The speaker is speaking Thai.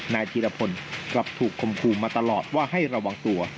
นายธีรพลกลับถูกคมครูมาตลอดว่าให้ระวังตัว